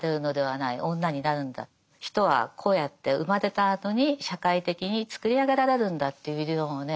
人はこうやって生まれたあとに社会的につくり上げられるんだという理論をね